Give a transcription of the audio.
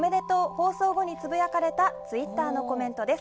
放送後につぶやかれたツイッターのコメントです。